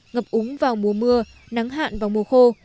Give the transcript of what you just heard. ngập úng vào mùa mưa nắng hạn và mùa khô